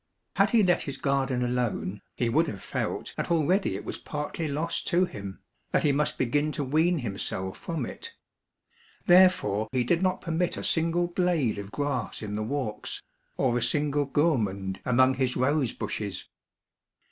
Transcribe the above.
Had he let his garden alone, he would have felt that already it was partly lost to him, that he must begin to wean himself from it ; therefore he did not permit a single blade of grass in the walks, or a single gourmand among his rose bushes.